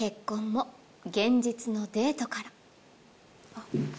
あっ。